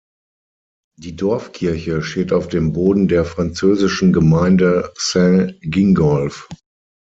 Die Dorfkirche steht auf dem Boden der französischen Gemeinde Saint-Gingolph.